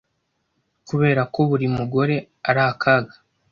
kubera ko buri mugore ari akaga